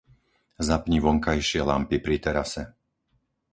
Zapni vonkajšie lampy pri terase.